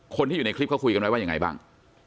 คนที่อยู่ในคลิปเขาคุยกันไว้ว่ายังไงบ้าง